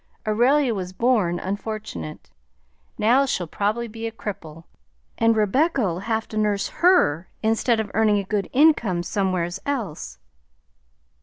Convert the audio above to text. Aurelia was born unfortunate. Now she'll probably be a cripple, and Rebecca'll have to nurse her instead of earning a good income somewheres else."